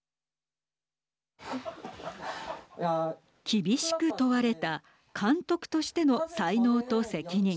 厳しく問われた監督としての才能と責任。